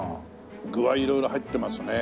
具は色々入ってますね。